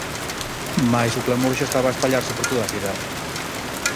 Mais o clamor xa estaba a espallarse por toda a cidade.